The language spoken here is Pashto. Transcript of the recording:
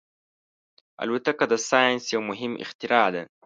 الوتکه د ساینس یو مهم اختراع ده.